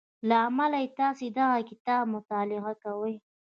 له امله یې تاسې دغه کتاب مطالعه کوئ